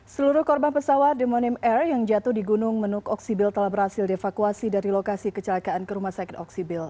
seluruh korban pesawat demonim air yang jatuh di gunung menuk oksibil telah berhasil dievakuasi dari lokasi kecelakaan ke rumah sakit oksibil